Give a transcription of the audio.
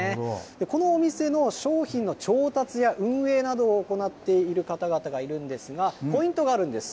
このお店の商品の調達や運営などを行っている方々がいるんですが、ポイントがあるんです。